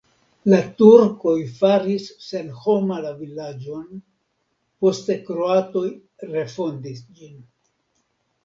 La turkoj faris senhoma la vilaĝon, poste kroatoj refondis ĝin.